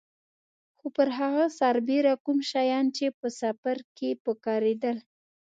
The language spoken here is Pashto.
خو پر هغه سربېره کوم شیان چې په سفر کې په کارېدل.